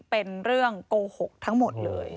เป็นเรื่องโกหกทั้งหมดเลย